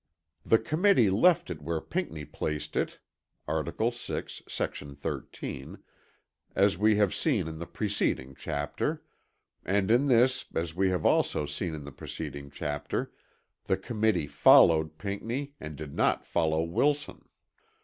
The Committee left it where Pinckney placed it (Article VI, sec. 13) as we have seen in the preceding chapter; and in this as we have also seen in the preceding chapter the Committee followed Pinckney and did not follow Wilson.